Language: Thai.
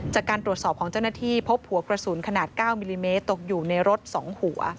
จากการตรวจสอบของเจ้าหน้าที่พบหัวกระสุนขนาด๙มิลลิเมตรตกอยู่ในรถ๒หัว